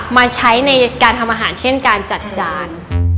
มาใช้ในการทำอาหารเช่นการจัดจาน